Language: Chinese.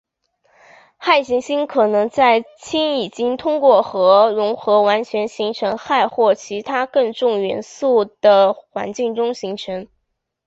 氦行星可能在氢已经通过核融合完全形成氦或其它更重元素的环境中生成。